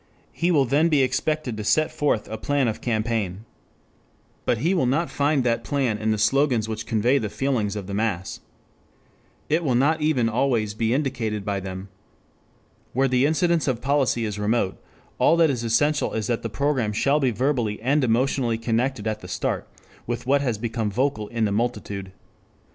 He will then be expected to set forth a plan of campaign. But he will not find that plan in the slogans which convey the feelings of the mass. It will not even always be indicated by them. Where the incidence of policy is remote, all that is essential is that the program shall be verbally and emotionally connected at the start with what has become vocal in the multitude.